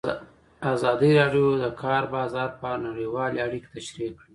ازادي راډیو د د کار بازار په اړه نړیوالې اړیکې تشریح کړي.